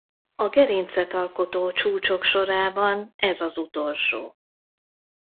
A gerincet alkotó csúcsok sorában ez az utolsó.